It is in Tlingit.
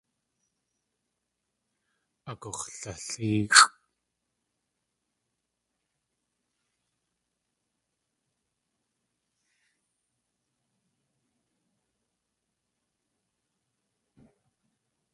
Agux̲lalʼéexʼ.